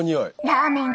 ラーメン！